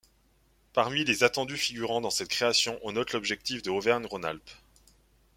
Parmi les attendus figurants dans cette création on note l'objectif de Auvergne-Rhône-Alpes.